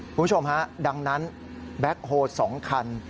คุณผู้ชมฮะดังนั้นแบ็คโฮ๒คัน